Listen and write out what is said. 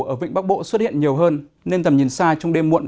ở vịnh bắc bộ xuất hiện nhiều hơn nên tầm nhìn xa trong đêm muộn